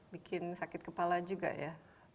bikin sakit kepala juga ya